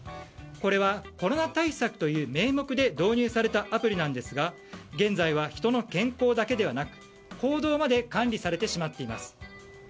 これは、コロナ対策という名目で導入されたアプリなんですが現在は人の健康だけではなく行動まで管理されてしまっています。